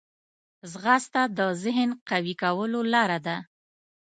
ځغاسته د ذهن قوي کولو لاره ده